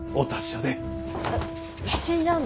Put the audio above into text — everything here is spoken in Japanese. え死んじゃうの？